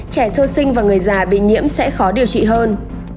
trẻ sơ sinh và người già bị nhiễm sẽ khó điều trị hơn